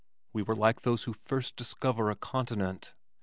We were like those who first discover a continent.